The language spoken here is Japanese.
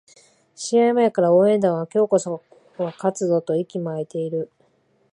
試合前から応援団は今日こそは勝つぞと息巻いている